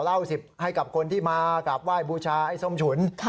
เล่า๑๐ให้กับคนที่มากราบไหว้บูชาไอ้ส้มฉุน